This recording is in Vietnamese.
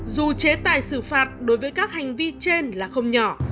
dù chế tài xử phạt đối với các hành vi trên là không nhỏ